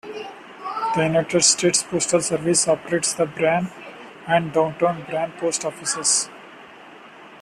The United States Postal Service operates the Bryan and Downtown Bryan post offices.